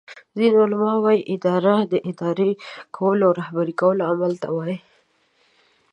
ځینی علما وایې اداره داداره کولو او رهبری کولو عمل ته وایي